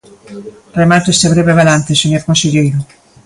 Remato este breve balance, señor conselleiro.